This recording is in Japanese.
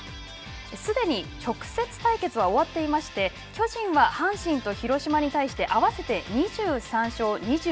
すでに直接対決は終わっていまして、巨人は阪神と広島に対して合わせて２３勝２６敗。